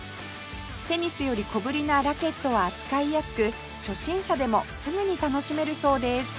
テニスより小ぶりなラケットは扱いやすく初心者でもすぐに楽しめるそうです